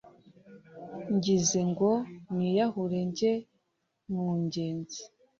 ngize ngo niyahure njye mu ngezi,